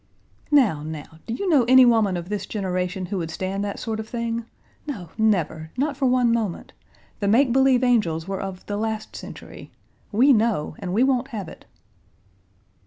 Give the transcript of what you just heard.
"Now now, do you know any woman of this generation who would stand that sort of thing? No, never, not for one moment. The make believe angels were of the last century. We know, and we won't have it."